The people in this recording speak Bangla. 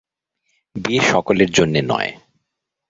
বিয়ে সকলের জন্যে নয়।